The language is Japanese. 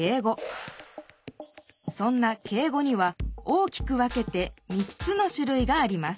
そんな敬語には大きく分けて３つの種類があります